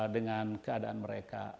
dengan keadaan mereka